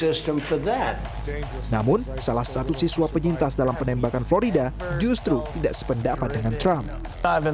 anda melihat film ini mereka sangat kekerasan dan tetapi anak anak dapat melihat film jika seks tidak terlibat